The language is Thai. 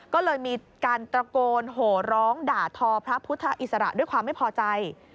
ก็เลยมีการตระโกนโหร้องด่าทอพระพุทธอิสระด้วยความไม่พอใจ